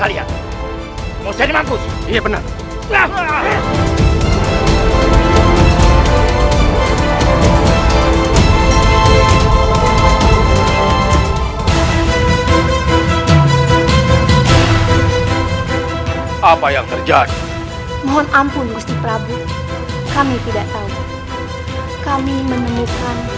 hai hai hai hai hai hai hai hai hai hai hai hai hai hey apa yang terjadi mohon ampun gusti prabu kami tidak tahu kami memampu